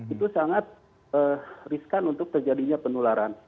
itu sangat riskan untuk terjadinya penularan